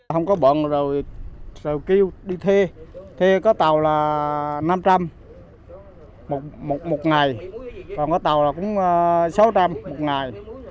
không có bận rồi rồi kêu đi thê thê có tàu là năm trăm linh một ngày còn có tàu là cũng sáu trăm linh một ngày